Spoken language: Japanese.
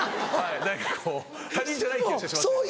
何かこう他人じゃない気がしてしまう。